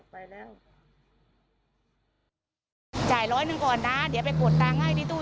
ไปแล้วจ่ายร้อยหนึ่งก่อนนะเดี๋ยวไปกดตังค์ให้ที่ตู้